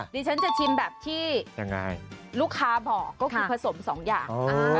ดิฉันจะชิมแบบที่ลูกค้าบอกก็คือผสมสองอย่าง